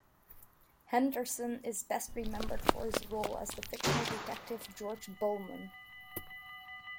Henderson is best remembered for his role as the fictional detective George Bulman.